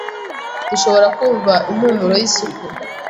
dushobora kumva impumuro y’isupu